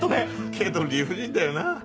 けど理不尽だよな。